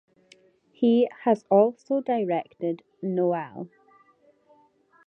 He has also directed "Noel".